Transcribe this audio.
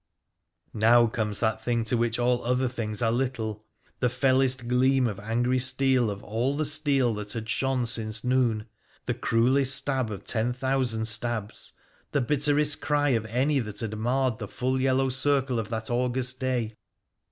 Now comes that thing to which all other things are little, the fellest gleam of angry steel of all the steel that had shone since noon, the cruellest stab of ten thousand stabs, the bit terest cry of any that had marred the full yellow circle of that August day